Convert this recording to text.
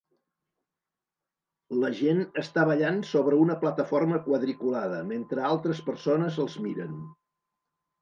la gent està ballant sobre una plataforma quadriculada mentre altres persones els miren